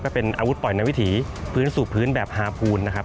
เป็นอาวุธปล่อยในวิถีพื้นสู่พื้นแบบฮาพูนนะครับ